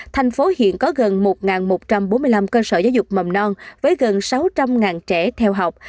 thành phố hiện có gần một một trăm bốn mươi năm cơ sở giáo dục mầm non với gần sáu trăm linh trẻ theo học